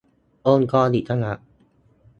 องค์กรอิสระ